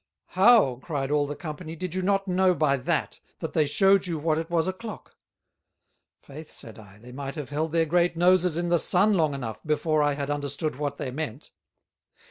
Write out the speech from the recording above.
"How," cried all the Company, "did not you know by that, that they shewed you what it was a Clock?" "Faith," said I, "they might have held their great Noses in the Sun long enough, before I had understood what they meant."